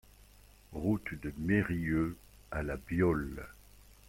Route du Meyrieux à La Biolle